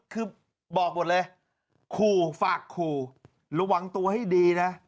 คือบอกหมดเลยขู่ฝากขู่ระวังตัวให้ดีนะ